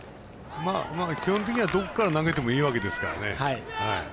基本的にはどこから投げてもいいわけですからね。